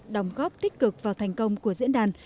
đồng góp tích cực vào thành công của diễn đàn